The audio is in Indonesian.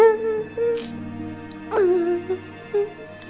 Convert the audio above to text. insya allah ya